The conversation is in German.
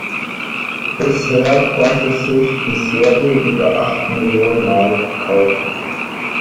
Bisher konnte sich die Serie über acht Millionen Mal verkaufen.